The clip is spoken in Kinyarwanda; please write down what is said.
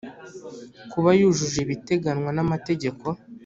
kuba yujuje ibiteganywa n amategeko